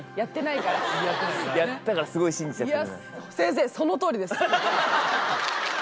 やったからすごい信じちゃってる。